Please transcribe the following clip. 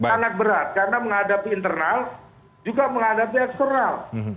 sangat berat karena menghadapi internal juga menghadapi eksternal